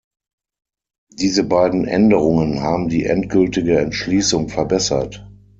Diese beiden Änderungen haben die endgültige Entschließung verbessert.